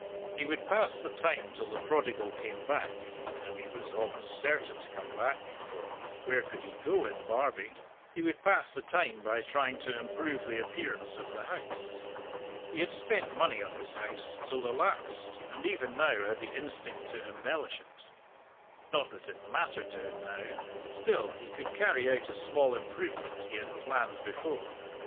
He would pass the time till the prodigal came back and he was almost certain to come back, for where could he go in Barbie? he would pass the time by trying to improve the appearance of the house. He had spent money on his house till the last, and even now had the instinct to embellish it. Not that it mattered to him now; still he could carry out a small improvement he had planned before.